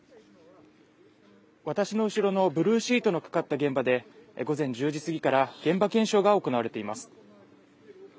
私の後ろのブルーシートのかかった現場で午前１０時過ぎから現場検証が行われています